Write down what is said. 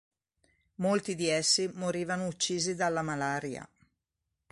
Molti di essi morivano uccisi dalla malaria.